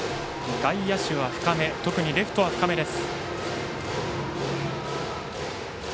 外野手、特にレフトは深めです。